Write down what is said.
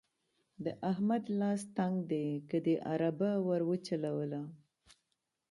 د احمد لاس تنګ دی؛ که دې اربه ور وچلوله.